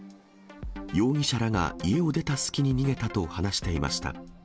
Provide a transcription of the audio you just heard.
容疑者らが家を出た隙に逃げたと話していました。